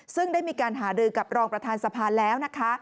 ซึ่งได้มีการหารือกับรองประธานสภาแล้วนะคะ